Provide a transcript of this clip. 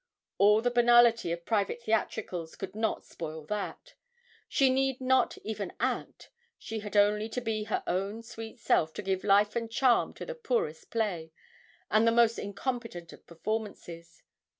All the banality of private theatricals could not spoil that she need not even act, she had only to be her own sweet self to give life and charm to the poorest play, and the most incompetent of performances.